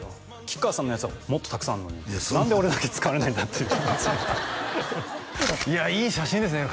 吉川さんのやつはもっとたくさんあるのに何で俺だけ使われないんだっていういやいい写真ですね